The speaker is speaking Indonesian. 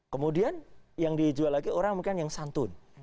kemudian yang dijual lagi orang mungkin yang santun